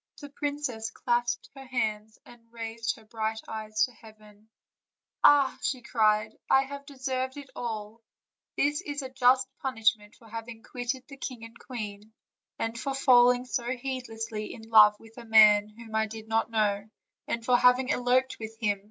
The princess clasped her hands; and raising her bright eyes to heaven: "Ah!" cried she, "I have deserved it all; this is a just punishment for having quitted the king and queen, and for falling so heedlessly in love with a man whom I did not know* and for having eloped with him.